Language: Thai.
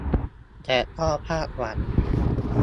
แต่ก็พลาดหวัง